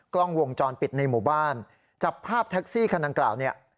กล้องวงจรปิดในหมู่บ้านจับภาพแท็กซี่คันดังกล่าวเนี่ย